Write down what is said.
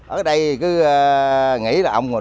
ở đây cứ nghĩ là ông